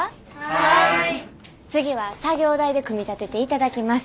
次は作業台で組み立てていただきます。